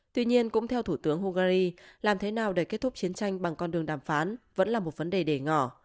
tuy nhiên cũng theo thủ tướng hungary làm thế nào để kết thúc chiến tranh bằng con đường đàm phán vẫn là một vấn đề để ngỏ